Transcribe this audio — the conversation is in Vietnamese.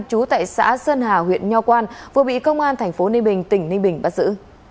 chú tại xã sơn hà huyện nho quang vừa bị công an tp ninh bình tỉnh ninh bình bắt giữ